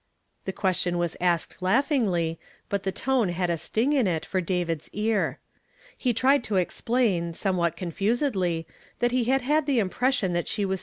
The question was asked laughingly. but the tone had a sting in it for David's en. He tried to explain, somewhat confusedl}', that ln' had had the impre asion that she was still with her aunt.